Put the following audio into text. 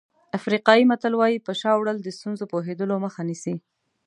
افریقایي متل وایي په شا وړل د ستونزو پوهېدلو مخه نیسي.